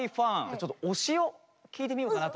ちょっと推しを聞いてみようかなと。